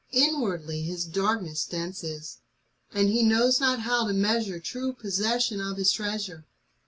Inwardly his darkness dense is; And he knows not how to measure True possession of his treasure.